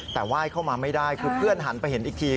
แต่ไหว้เข้ามาไม่ได้คือเพื่อนหันไปเห็นอีกที